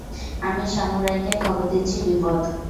আমি সামুরাইকে খবর দিচ্ছি বিপদ!